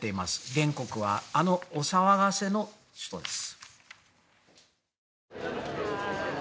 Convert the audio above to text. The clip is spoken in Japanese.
原告は、あのお騒がせの人です。